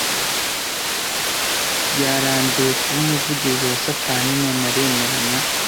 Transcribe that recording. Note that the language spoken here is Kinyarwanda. Yarambiwe kuba umuvugizi wa satani none aremeranya